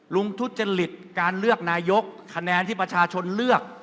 ทุจริตการเลือกนายกคะแนนที่ประชาชนเลือก